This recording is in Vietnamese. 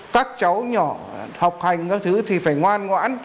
các cháu nhỏ học hành các thứ thì phải ngoan ngoãn